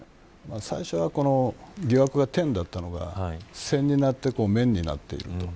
疑惑が点だったのが線になって面になっていく。